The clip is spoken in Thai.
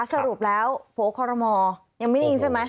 สรุปแล้วโผล่คอรมอลยังไม่นิ่งใช่ไหม